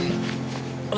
udah dong reva